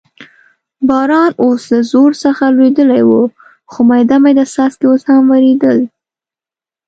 باران اوس له زور څخه لوېدلی و، خو مېده مېده څاڅکي اوس هم ورېدل.